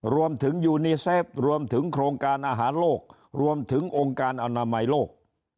รวมถึงยูนีเซฟรวมถึงโครงการอาหารโลกรวมถึงองค์การอนามัยโลก